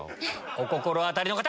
お心当たりの方！